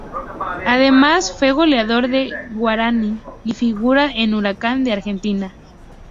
Además fue goleador de Guaraní y figura en Huracán de Argentina.